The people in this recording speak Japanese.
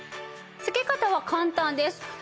つけ方は簡単です。